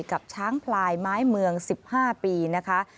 กับช้างพลายไม้เมือง๑๕ปีนะคะ